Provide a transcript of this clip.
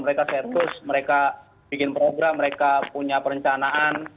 mereka sertus mereka bikin program mereka punya perencanaan